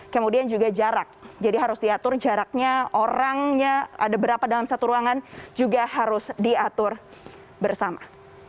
kemudian juga jarak jadi harus diatur jaraknya orangnya ada berapa dalam satu ruangan juga harus diatur bersama